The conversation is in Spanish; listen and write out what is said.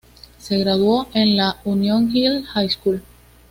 Se graduó en la Union Hill High School.